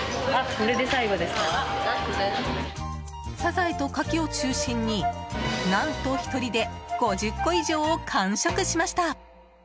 サザエとカキを中心に何と１人で５０個以上を完食しました。